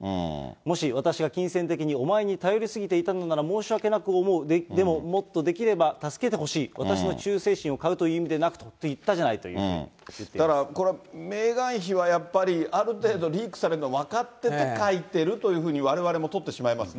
もし、私が金銭的に、お前に頼り過ぎていたのなら申し訳なく思う、でももっとできれば助けてほしい、私の忠誠心を買うという意味ではなくと言ったじゃないというふうこれは、メーガン妃はやっぱり、ある程度、リークされるのを分かってて書いているというふうに、われわれも取ってしまいますね。